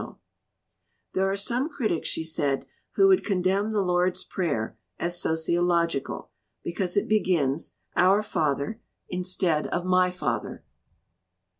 284 LET POETRY BE FREE "There are some critics," she said, "who would condemn the Lord's Prayer as * sociological' be cause it begins 'Our Father* instead of 'My Father.'